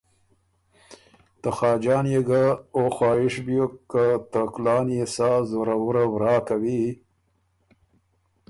ته خاجان يې ګه او خواهش بیوک که ته کُلان يې سا زوره وُره ورا کوی